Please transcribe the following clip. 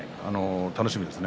楽しみです。